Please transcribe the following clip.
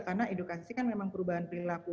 karena edukasi kan memang perubahan perilaku